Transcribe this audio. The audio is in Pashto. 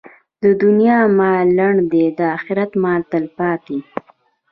د دنیا مال لنډ دی، د اخرت مال تلپاتې.